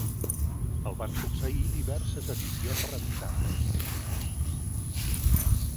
El van succeir diverses edicions revisades.